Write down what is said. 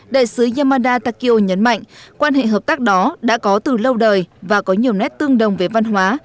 đại sứ yamada takio nhấn mạnh quan hệ hợp tác đó đã có từ lâu đời và có nhiều nét tương đồng với văn hóa